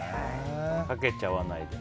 かけちゃわないで。